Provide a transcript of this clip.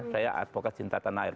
saya advokat cinta tanah air